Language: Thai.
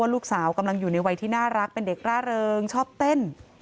ละเริงชอบเต้น